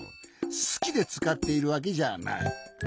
すきでつかっているわけじゃない。